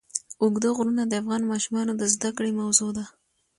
اوږده غرونه د افغان ماشومانو د زده کړې موضوع ده.